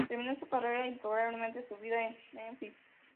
Terminó su carrera y, probablemente su vida, en Menfis.